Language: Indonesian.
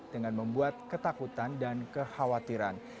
dengan membuat ketakutan dan kekhawatiran